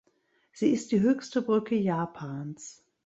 Sie ist die höchste Brücke Japans.